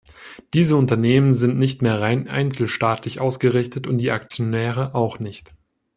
Diese Unternehmen sind nicht mehr rein einzelstaatlich ausgerichtet und die Aktionäre auch nicht.